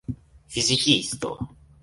fizikisto